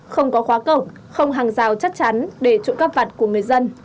không có khóa cổng không hàng rào chắc chắn để trộm các vật của người dân